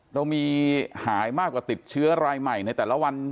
เรามีหายมากกว่าติดเชื้อรายใหม่ในแต่ละวัน